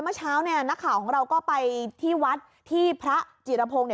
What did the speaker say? เมื่อเช้านักข่าวของเราก็ไปที่วัดที่พระจีรพงธ์